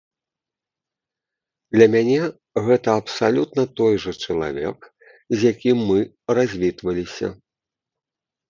Для мяне гэта абсалютна той жа чалавек, з якім мы развітваліся.